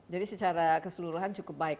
jadi secara keseluruhan cukup baik